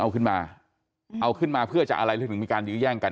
เอาขึ้นมาเอาขึ้นมาเพื่อจะอะไรแล้วถึงมีการยื้อแย่งกัน